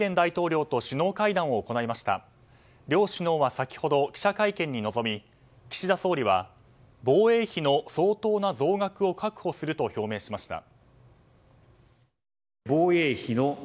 両首脳は先ほど記者会見に臨み岸田総理は防衛費の相当な増額を確保すると表明しました。